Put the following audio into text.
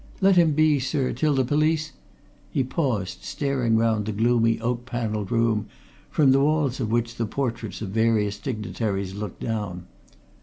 "Let him be, sir, till the police " He paused, staring round the gloomy, oak panelled room from the walls of which the portraits of various dignitaries looked down.